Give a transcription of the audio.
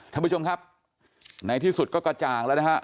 ท่านผู้ชมครับในที่สุดก็กระจ่างแล้วนะฮะ